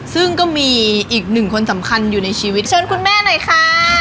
ซึ่งก็มีอีกหนึ่งคนสำคัญอยู่ในชีวิตเชิญคุณแม่หน่อยค่ะ